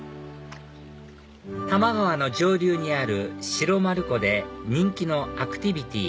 多摩川の上流にある白丸湖で人気のアクティビティー